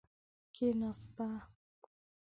کیناسته.